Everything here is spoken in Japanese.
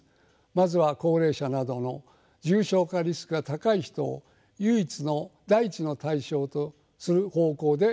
まずは高齢者などの重症化リスクが高い人を第一の対象とする方向で考えられています。